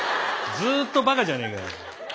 ずっとバカじゃねえか。なあ。